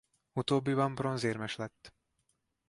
Utóbbiban bronzérmes lett.